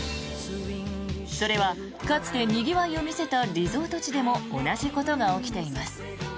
それは、かつてにぎわいを見せたリゾート地でも同じことが起きています。